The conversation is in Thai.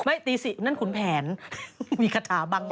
ไม่ตี๔๕๑นั่นคุณแผนมีขาดสาวบางทาย